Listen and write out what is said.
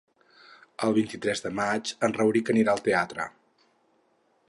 El vint-i-tres de maig en Rauric anirà al teatre.